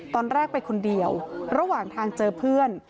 ตอนแรกไปคนเดียวระหว่างทางเจอเพื่อน